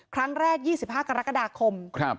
ครั้งแรก๒๕กรกฎาคม